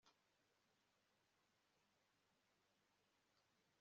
Wowe umunsi uteye ubwoba Callooh Hamagara